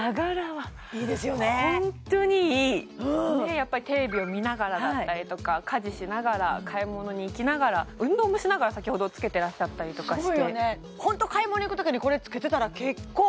やっぱりテレビを見ながらだったりとか家事しながら買い物に行きながら運動もしながら先ほど着けてらっしゃったりとかしてすごいよねですよね